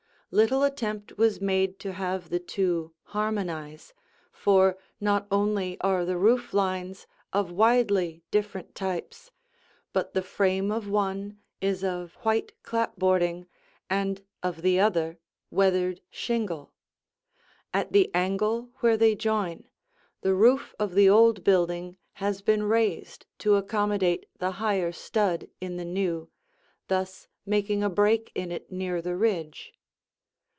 Little attempt was made to have the two harmonize, for not only are the roof lines of widely different types, but the frame of one is of white clapboarding and of the other weathered shingle. At the angle where they join, the roof of the old building has been raised to accommodate the higher stud in the new, thus making a break in it near the ridge.